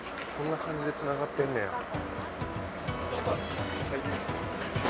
こんな感じでつながってんねや。